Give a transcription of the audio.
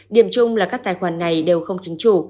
điểm chung là các tài khoản này đều không chính chủ